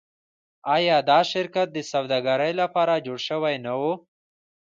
آیا دا شرکت د سوداګرۍ لپاره جوړ شوی نه و؟